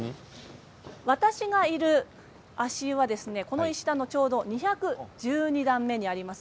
私がいる足湯はこの石段のちょうど２１２段目にあります。